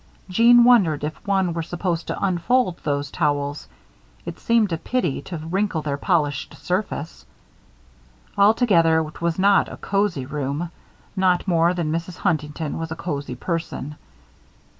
Jeanne wondered if one were supposed to unfold those towels it seemed a pity to wrinkle their polished surface. Altogether it was not a cosy room; any more than Mrs. Huntington was a cosy person.